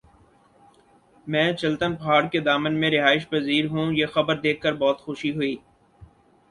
میں چلتن پہاڑ کے دامن میں رہائش پزیر ھوں یہ خبر دیکھ کر بہت خوشی ہوئ